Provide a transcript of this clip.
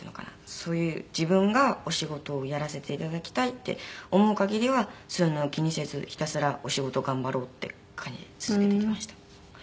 そういう自分がお仕事をやらせて頂きたいって思うかぎりはそういうのを気にせずひたすらお仕事を頑張ろうっていう感じで続けてきました。